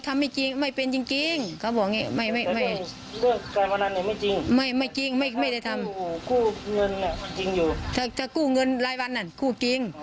ถ้าจะกู้เงินรายวันนั้นกู้จริง